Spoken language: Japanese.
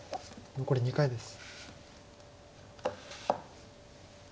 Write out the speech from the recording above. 残り２回です。